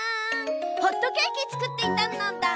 ホットケーキつくっていたのだ。